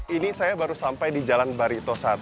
ini saya baru sampai di jalan barito satu